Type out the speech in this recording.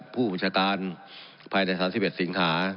ผู้บุญชาการภายในศาลที่๑๑สิงหา